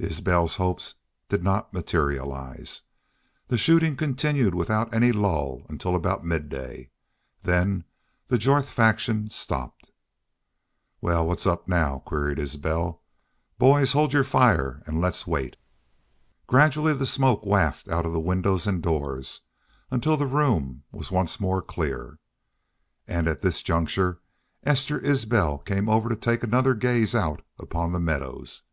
Isbel's hopes did not materialize. The shooting continued without any lull until about midday. Then the Jorth faction stopped. "Wal, now what's up?" queried Isbel. "Boys, hold your fire an' let's wait." Gradually the smoke wafted out of the windows and doors, until the room was once more clear. And at this juncture Esther Isbel came over to take another gaze out upon the meadows.